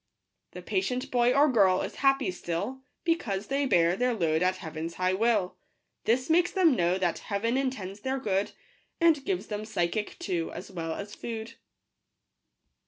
The patient boy or girl is happy still. Because they bear their load at Heaven's high will ; This makes them know that Heaven intends their good, And gives them physic too, as well as food.